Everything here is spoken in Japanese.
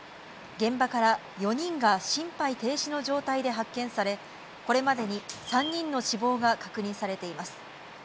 現場から４人が心肺停止の状態で発見され、これまでに３人の死亡が確認されています。